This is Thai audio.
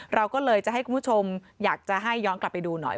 เราก็เลยจะให้คุณผู้ชมอยากจะให้ย้อนกลับไปดูหน่อย